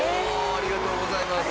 ありがとうございます！